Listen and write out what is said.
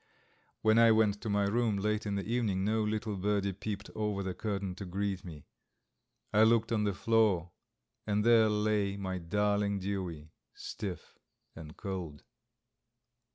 When I went to my room late in the evening no little birdie peeped over the curtain to greet me. I looked on the floor, and there lay my darling Dewey, stiff and cold.